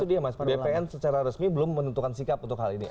itu dia mas bpn secara resmi belum menentukan sikap untuk hal ini